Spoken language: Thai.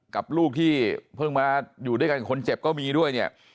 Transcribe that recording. กับลูกที่เพิ่งมาอยู่ด้วยกันกับคนเจ็บก็มีด้วยเนี่ย